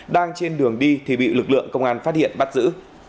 đang trên đường đi thì bị lực lượng công an phát hiện bắt giữ